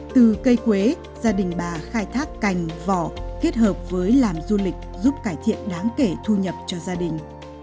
từ cây quế gia đình bà khai thác cành vỏ kết hợp với làm du lịch giúp cải thiện đáng kể thu nhập cho gia đình